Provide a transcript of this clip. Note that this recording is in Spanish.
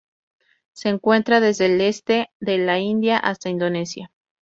Se encuentra desde el este de la India hasta Indonesia.